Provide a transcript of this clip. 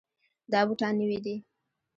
دا بوټان نوي دي.